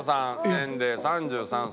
年齢３３歳。